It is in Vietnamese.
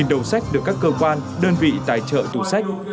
một đầu sách được các cơ quan đơn vị tài trợ tủ sách